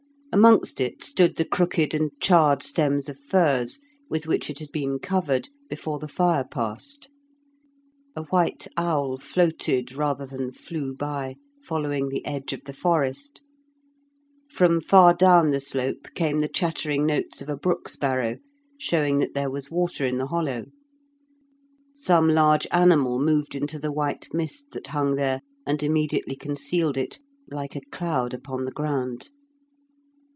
Amongst it stood the crooked and charred stems of furze with which it had been covered before the fire passed. A white owl floated rather than flew by, following the edge of the forest; from far down the slope came the chattering notes of a brook sparrow, showing that there was water in the hollow. Some large animal moved into the white mist that hung there and immediately concealed it, like a cloud upon the ground.